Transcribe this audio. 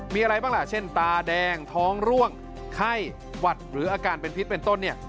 มีอะไรบ้างล่ะเช่นตาแดงท้องร่วงไข้หวัดหรืออาการเป็นพิษเป็นต้นเนี่ย